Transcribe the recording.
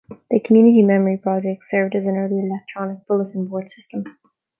The Community Memory project served as an early electronic bulletin board system.